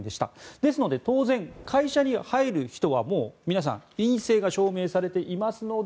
ですので当然、会社に入る人は皆さん、陰性が証明されていますので